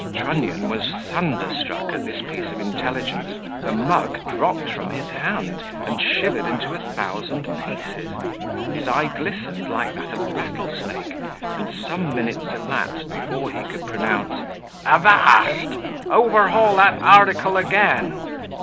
Trunnion was thunderstruck at this piece of intelligence: the mug dropped front his hand, and shivered into a thousand pieces; his eye glistened like that of a rattle snake; and some minutes elapsed before he could pronounce, "Avast! overhaul that article again!"